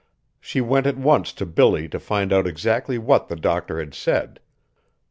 She went at once to Billy to find out exactly what the doctor had said.